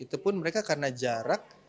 itu pun mereka karena jarak